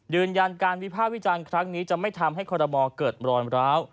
ยืนยันการวิภาควิจารณ์ครั้งนี้จะไม่ทำให้คอรมอเกิดรอยร้าว